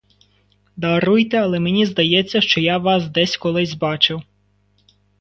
Даруйте, але мені здається, що я вас десь колись бачив.